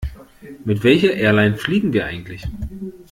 Mit welcher Airline fliegen wir eigentlich?